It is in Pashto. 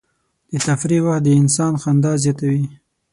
د تفریح وخت د انسان خندا زیاتوي.